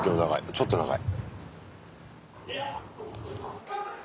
ちょっと長い。